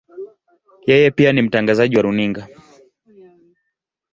Yeye pia ni mtangazaji wa runinga.